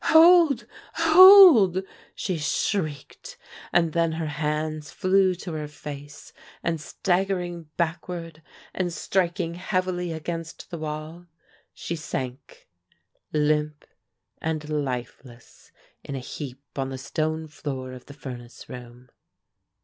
"Hold! Hold!" she shrieked, and then her hands flew to her face, and staggering backward and striking heavily against the wall, she sank, limp and lifeless, in a heap on the stone floor of the furnace room.